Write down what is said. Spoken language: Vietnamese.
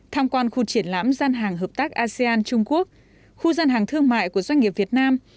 tham quan khu triển lãm gian hàng hợp tác asean trung quốc khu gian hàng thương mại của doanh nghiệp việt nam